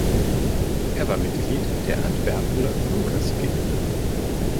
Er war Mitglied der Antwerpener Lukasgilde.